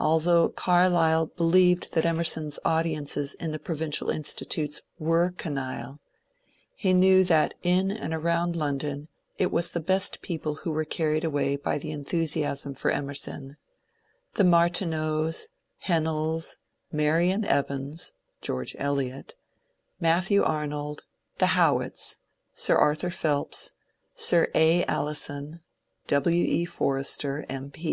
Although Carlyle believed that Emer son's audiences in the provincial institutes were canaille^ he knew that in and around London it was the best people who were carried away by the enthusiasm for Emerson, — the Martineaus, Hennells, Marian Evans (George Eliot), Matthew Arnold, the Howitts, Sir Arthur Helps, Sir A. Alison, W. E. Forster M.